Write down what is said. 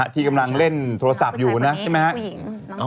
ที่กำลังเล่นโทรศัพท์อยู่นะใช่ไหมครับ